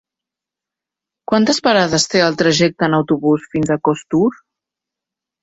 Quantes parades té el trajecte en autobús fins a Costur?